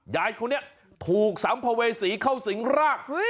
ยายคนนี้ถูกสัมภเวษีเข้าสิงร่าง